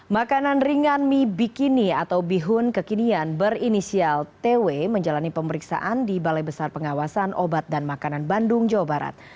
makanan ringan mie bikini atau bihun kekinian berinisial tw menjalani pemeriksaan di balai besar pengawasan obat dan makanan bandung jawa barat